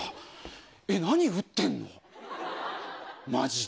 え、何、撃ってんの？